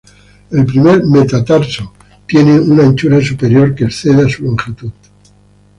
El primer metatarso tiene una anchura superior que excede a su longitud.